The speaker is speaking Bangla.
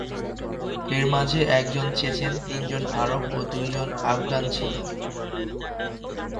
এর মাঝে একজন চেচেন, তিনজন আরব ও দুইজন আফগান ছিল।